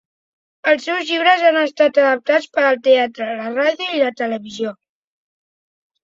Els seus llibres han estat adaptats per al teatre, la ràdio i la televisió.